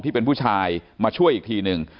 ที่เป็นผู้ชายมาช่วยอีกทีหนึ่ง